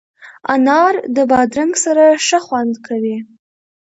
انار د بادرنګ سره ښه خوند کوي.